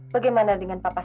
bagaimana dengan papa